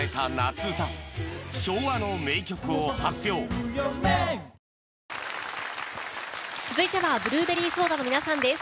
ニトリ続いてはブルーベリーソーダの皆さんです。